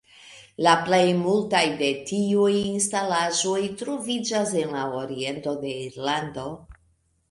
La plej multaj de tiuj instalaĵoj troviĝas en la oriento de Irlando.